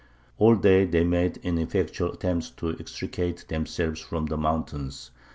"All day they made ineffectual attempts to extricate themselves from the mountains.